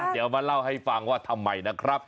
เดี๋ยวมาเล่าให้ฟังว่าทำไมนะครับ